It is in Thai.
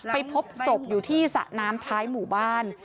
ไปพบศพอยู่ที่สระน้ำท้ายหมู่บ้าน